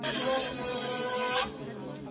ته ولي تمرين کوې،